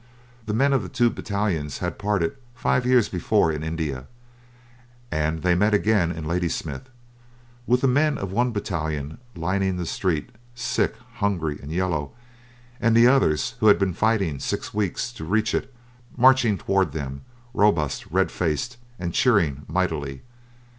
The men of the two battalions had parted five years before in India, and they met again in Ladysmith, with the men of one battalion lining the streets, sick, hungry, and yellow, and the others, who had been fighting six weeks to reach it, marching toward them, robust, red faced, and cheering mightily.